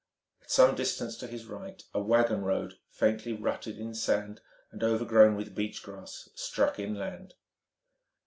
At some distance to his right a wagon road, faintly rutted in sand and overgrown with beach grass, struck inland.